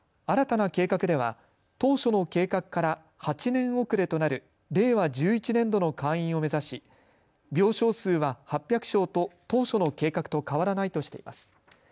新たな計画では当初の計画から８年遅れとなる令和１１年度の開院を目指し病床数は８００床と当初の計画と変わらないとしています。